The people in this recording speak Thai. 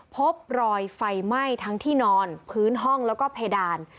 พบรอยไฟไหม้ทั้งที่นอนพื้นห้องแล้วก็เพดาน